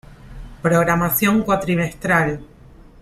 Programación cuatrimestral.